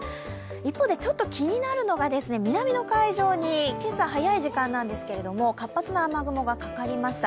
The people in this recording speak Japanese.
一方で気になるのが、南の海上に今朝早い時間なんですけど活発な雨雲がかかりました。